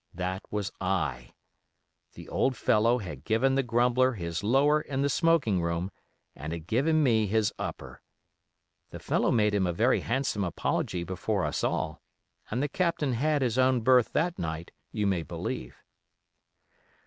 That was I. The old fellow had given the grumbler his 'lower' in the smoking room, and had given me his 'upper'. The fellow made him a very handsome apology before us all, and the Captain had his own berth that night, you may believe.